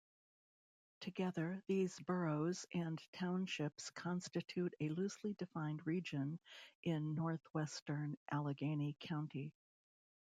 Together, these boroughs and townships constitute a loosely defined region in northwestern Allegheny County.